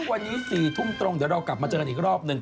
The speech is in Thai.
วันนี้๔ทุ่มตรงเดี๋ยวเรากลับมาเจอกันอีกรอบหนึ่ง